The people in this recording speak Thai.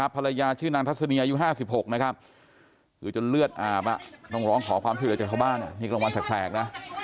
ภรรยาชื่อนางทัศนีอายุห้าสิบหกคือจนเลือดอาบต้องร้องขอความที่เหลือจากเขาบ้าน